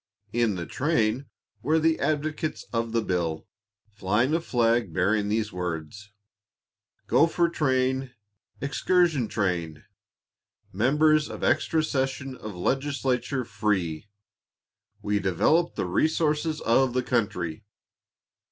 In the train were the advocates of the bill, flying a flag bearing these words: "Gopher train; excursion train; members of extra session of legislature, free. We develop the resources of the country."